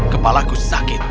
kepala aku sakit